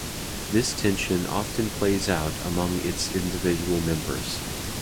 This tension often plays out among its individual members.